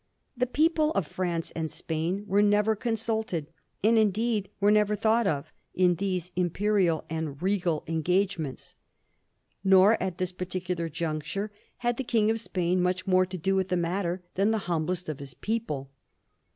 The people of France and Spain were never consulted, and, indeed, were never thought of, in these imperial and regal engagements. Nor at this par* ticular juncture had the King of Spain much more to do with the matter than the humblest of his people.